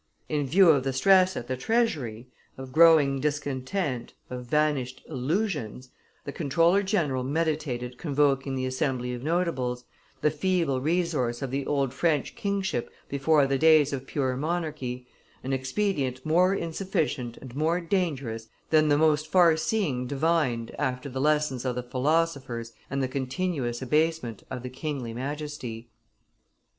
In view of the stress at the treasury, of growing discontent, of vanished illusions, the comptroller general meditated convoking the Assembly of Notables, the feeble resource of the old French kingship before the days of pure monarchy, an expedient more insufficient and more dangerous than the most far seeing divined after the lessons of the philosophers and the continuous abasement of the kingly Majesty.